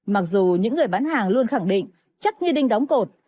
mặc dù những người bán hàng luôn khẳng định chắc như đinh đóng cột